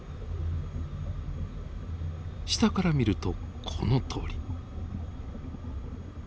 下から見るとこのとおり。